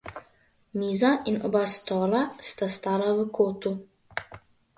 Miza in oba stola sta stala v kotu.